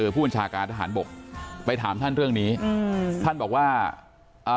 ไปยกเลิกการเกณฑ์ทั้งทางอันตรงเนี้ยขับ๓แบบ